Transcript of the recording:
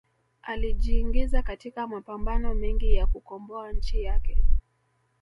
alijiingiza katika mapambano mengi ya kukomboa nchi yake